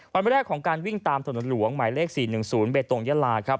วันแรกของการวิ่งตามถนนหลวงหมายเลข๔๑๐เบตงยาลาครับ